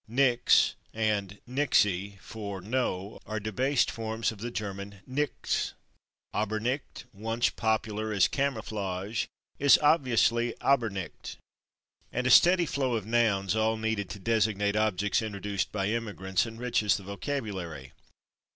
/Nix/ and /nixy/, for /no/, are debased forms of the German /nichts/; /aber nit/, once as popular as /camouflage/, is obviously /aber nicht/. And a steady flow of nouns, all needed to designate objects introduced by immigrants, enriches the vocabulary.